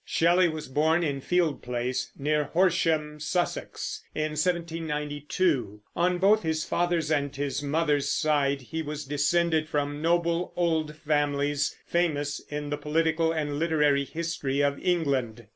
Shelley was born in Field Place, near Horsham, Sussex, in 1792. On both his father's and his mother's side he was descended from noble old families, famous in the political and literary history of England.